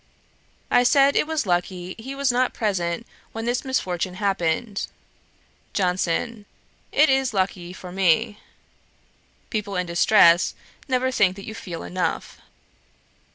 I said, it was lucky he was not present when this misfortune happened. JOHNSON. 'It is lucky for me. People in distress never think that you feel enough.'